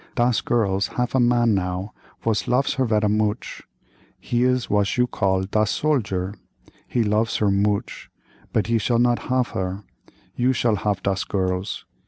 Das girls haf a man now vos lof her vera mooch—he is was you call das soldier; he lofs her mooch but he shall not hof her, you shall hof das girls.